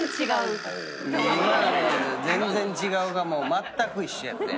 今「全然違う」がまったく一緒やってん。